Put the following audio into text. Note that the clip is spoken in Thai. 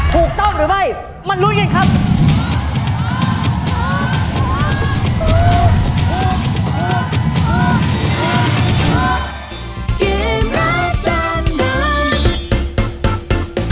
ถูกต้องหรือไม่มาลุ้นกันครับ